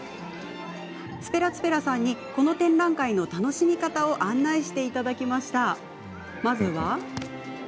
ｔｕｐｅｒａｔｕｐｅｒａさんに、この展覧会の楽しみ方を案内していただきました。